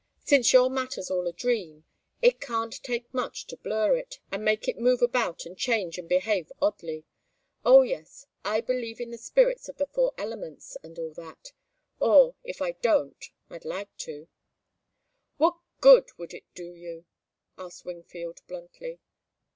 Since your matter's all a dream, it can't take much to blur it, and make it move about and change and behave oddly. Oh, yes I believe in the spirits of the four elements, and all that or if I don't, I'd like to." "What good would it do you?" asked Wingfield, bluntly.